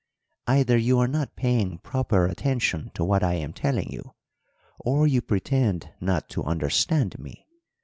'Either you are not paying proper attention to what I am telling you, or you pretend not to understand me.